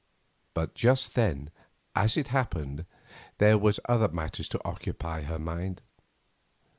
But just then, as it happened, there were other matters to occupy her mind.